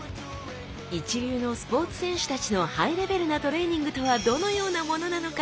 一流のスポーツ選手たちのハイレベルなトレーニングとはどのようなものなのか。